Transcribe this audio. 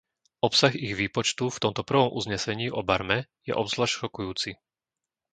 Obsah ich výpočtu v tomto prvom uznesení o Barme je obzvlášť šokujúci.